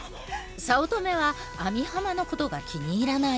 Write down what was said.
早乙女は網浜のことが気に入らない。